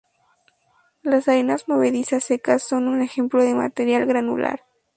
Las arenas movedizas secas son un ejemplo de un material granular.